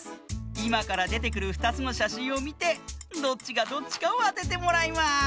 いまからでてくる２つのしゃしんをみてどっちがどっちかをあててもらいます！